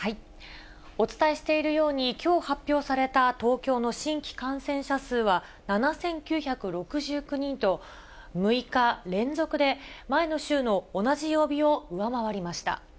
お伝えしているように、きょう発表された東京の新規感染者数は７９６９人と、６日連続で前の週の同じ曜日を上回りました。